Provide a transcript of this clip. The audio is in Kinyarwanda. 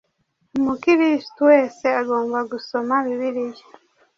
Umukristu wese agomba gusoma Bibiliya